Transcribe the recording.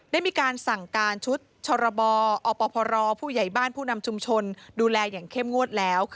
ได้มีการสั่งการชุดชรบอพรผู้ใหญ่บ้านผู้นำชุมชนดูแลอย่างเข้มงวดแล้ว